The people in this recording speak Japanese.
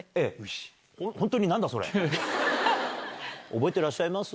覚えてらっしゃいます？